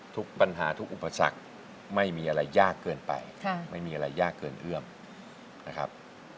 ทุกปัญหาทุกอุปสรรคไม่มีอะไรยากเกินไปไม่มีอะไรยากเกินเอื้อมนะครับ